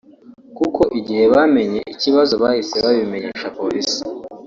kuko igihe bamenye ikibazo bahise babimenyesha polisi